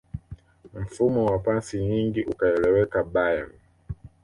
mfumo wa pasi nyingi ukaeleweka bayern